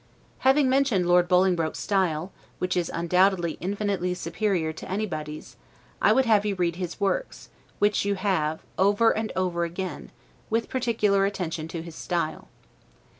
Having mentioned Lord Bolingbroke's style, which is, undoubtedly, infinitely superior to anybody's, I would have you read his works, which you have, over and over again, with particular attention to his style.